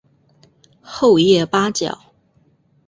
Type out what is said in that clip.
厚叶八角